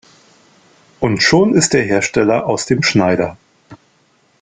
Und schon ist der Hersteller aus dem Schneider.